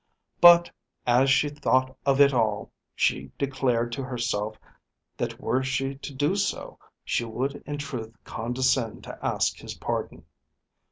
But as she thought of it all, she declared to herself that were she to do so she would in truth condescend to ask his pardon.